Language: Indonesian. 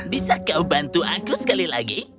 bisa kau bantu aku sekali lagi